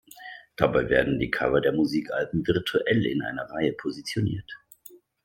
Dabei werden die Cover der Musikalben virtuell in einer Reihe positioniert.